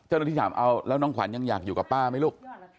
เจ้าหน้าที่ถามเอาแล้วน้องขวัญยังอยากอยู่กับป้าไหมลูก